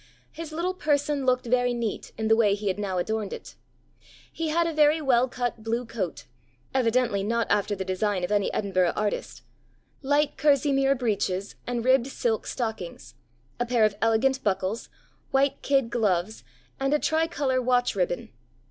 His little person looked very neat in the way he had now adorned it. He had a very well cut blue coat, evidently not after the design of any Edinburgh artist, light kerseymere breeches and ribbed silk stockings, a pair of elegant buckles, white kid gloves, and a tricolour watch ribbon.